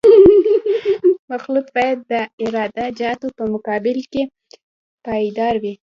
مخلوط باید د عراده جاتو په مقابل کې پایدار وي